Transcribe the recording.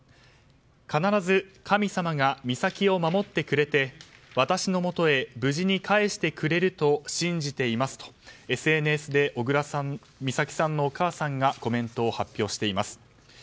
必ず神様が美咲を守ってくれて私のもとへ無事に帰してくれると信じていますとＳＮＳで小倉美咲さんのお母さんがコメントを発表しています。